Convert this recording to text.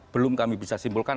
belum kami bisa simpulkan